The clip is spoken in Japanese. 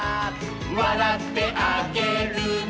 「わらってあげるね」